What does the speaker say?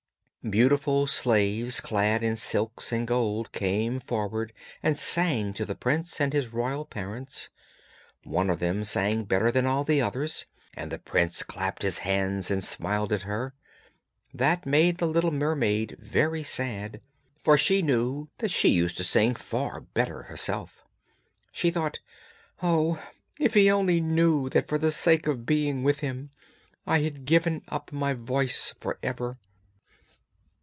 Beautiful slaves clad in silks and gold came forward and sang to the prince and his royal parents; one of them sang better than all the others, and the prince clapped his hands and smiled at her; that made the little mermaid very sad, for she knew that she used to sing far better herself. She thought, 'Oh! if he only knew that for the sake of being with him I had given up my voice for ever!'